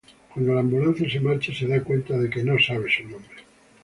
Cuando la ambulancia se marcha, se da cuenta de que no sabe su nombre.